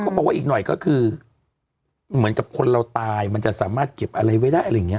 บอกว่าอีกหน่อยก็คือเหมือนกับคนเราตายมันจะสามารถเก็บอะไรไว้ได้อะไรอย่างนี้